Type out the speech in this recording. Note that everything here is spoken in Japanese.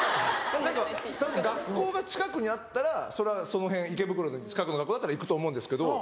学校が近くにあったらそれはその辺池袋近くの学校だったら行くと思うんですけど。